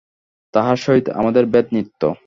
তাঁহার সহিত আমাদের ভেদ নিত্য।